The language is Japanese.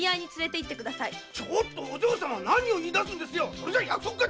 それじゃ約束が。